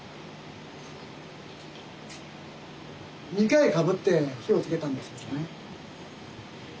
２回かぶって火をつけたんですけどもね。